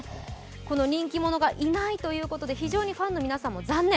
この人気者がいないということでファンの皆さんも非常に残念。